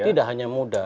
tidak hanya muda